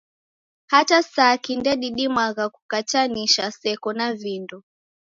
Hata saki ndedimagha kukatanisha seko na vindo.